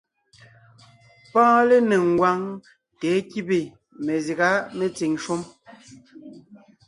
Pɔ́ɔn lénéŋ ngwáŋ tà é kíbe mezyága metsìŋ shúm.